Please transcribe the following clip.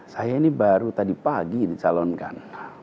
saya ini baru tadi pagi dicalonkan